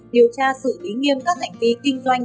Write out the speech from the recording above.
điều tra xử lý nghiêm các hành vi kinh doanh